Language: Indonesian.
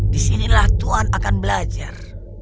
di sini tuhan akan belajar